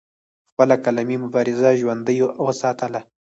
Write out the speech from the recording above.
خپله قلمي مبارزه ژوندۍ اوساتله